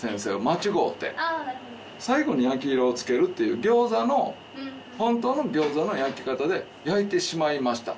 あなるほど「最後に焼き色を付けるっていうギョーザの本当のギョーザの焼き方で焼いてしまいました」